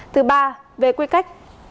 thứ ba về quy cách